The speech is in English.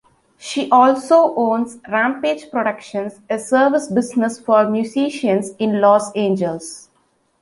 She also owns Rampage Productions, a service business for musicians in Los Angeles.